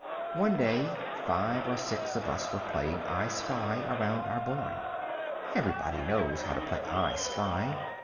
One day five or six of us were playing "I spy" around our barn. Every body knows how to play "I spy."